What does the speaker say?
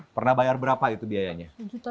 pernah bayar berapa itu biayanya